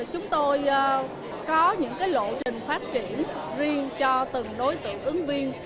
chúng tôi có những lộ trình phát triển riêng cho từng đối tượng ứng viên